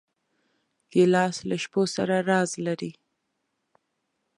ګیلاس له شپو سره راز لري.